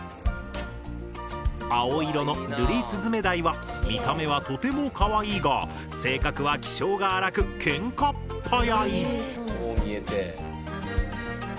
青色のルリスズメダイは見た目はとてもかわいいが性格は気性が荒くケンカっ早い。